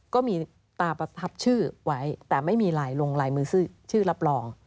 ก็มีตาประทับชื่อไว้แต่ไม่มีลายลงลายมือชื่อรับรอง